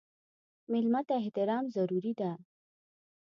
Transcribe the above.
مېلمه ته احترام ضروري دی.